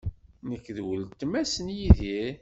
Nekk d weltma-s n Yidir.